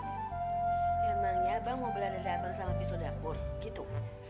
emangnya abang mau belah dada abang sama pisau dapur gitu